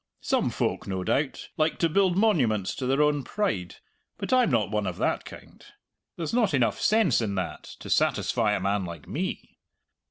Some folk, no doubt, like to build monuments to their own pride, but I'm not one of that kind; there's not enough sense in that to satisfy a man like me.